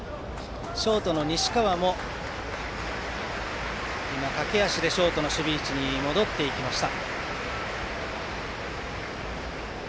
ショートの西川も駆け足でショートの守備位置に戻っていきました。